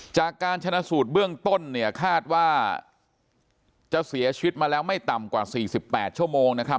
จากการชนะสูตรเบื้องต้นเนี่ยคาดว่าจะเสียชีวิตมาแล้วไม่ต่ำกว่า๔๘ชั่วโมงนะครับ